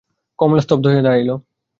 কমলা স্তব্ধ হইয়া দাঁড়াইয়া রহিল।